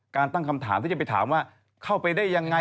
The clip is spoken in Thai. ตั้งคำถามที่จะไปถามว่าเข้าไปได้ยังไง